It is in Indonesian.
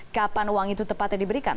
kapan uang itu tepatnya diberikan